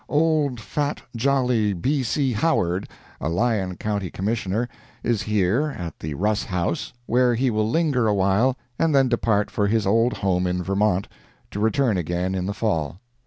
Old fat, jolly B. C. Howard, a Lyon county Commissioner, is here, at the Russ House, where he will linger a while and then depart for his old home in Vermont, to return again in the Fall.